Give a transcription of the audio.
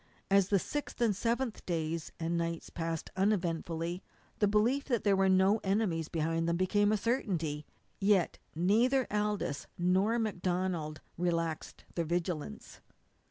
As the sixth and the seventh days and nights passed uneventfully the belief that there were no enemies behind them became a certainty. Yet neither Aldous nor MacDonald relaxed their vigilance.